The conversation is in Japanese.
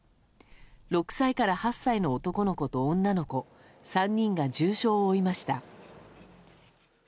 ６歳から８歳の男の子と女の子３人が重傷を負いました。